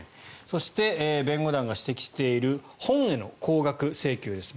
そして、弁護団が指摘している本への高額請求です。